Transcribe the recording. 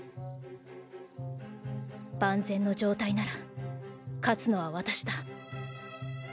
万全の状態なら勝つのは私だ。